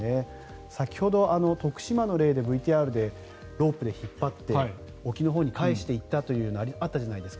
先ほど、徳島の例でＶＴＲでロープで引っ張って沖のほうに帰していったというのがあったじゃないですか